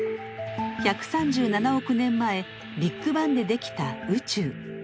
１３７億年前ビッグバンで出来た宇宙。